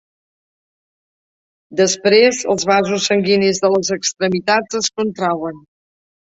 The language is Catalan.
Després, els vasos sanguinis de les extremitats es contrauen.